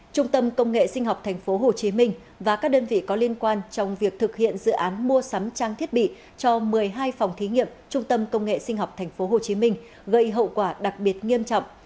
trung tâm công nghệ sinh học tp hcm và các đơn vị có liên quan trong việc thực hiện dự án mua sắm trang thiết bị cho một mươi hai phòng thí nghiệm trung tâm công nghệ sinh học tp hcm gây hậu quả đặc biệt nghiêm trọng